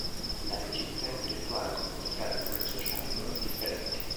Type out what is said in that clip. La rigidità intellettuale comporterà dei problemi sociali non indifferenti.